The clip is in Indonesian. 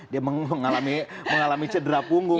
dia mengalami cedera